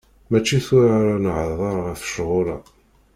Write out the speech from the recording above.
Mačči tura ara nehder ɣef ccɣel-a.